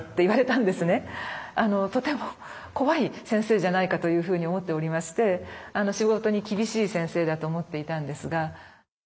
とても怖い先生じゃないかというふうに思っておりまして仕事に厳しい先生だと思っていたんですが。